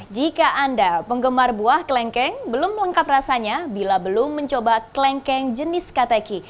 jika anda penggemar buah kelengkeng belum lengkap rasanya bila belum mencoba kelengkeng jenis kateki